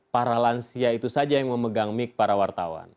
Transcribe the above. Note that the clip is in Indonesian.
para lansia itu saja yang memegang mik para wartawan